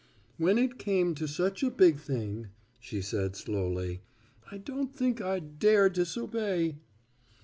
"When it came to such a big thing," she said slowly, "I don't think I'd dare disobey."